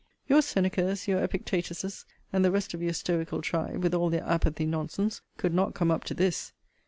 Your Seneca's, your Epictetus's, and the rest of your stoical tribe, with all their apathy nonsense, could not come up to this.